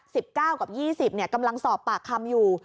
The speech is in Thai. สิบเก้ากับยี่สิบเนี่ยกำลังสอบปากคำอยู่